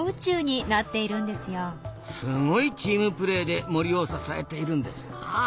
すごいチームプレーで森を支えているんですなぁ。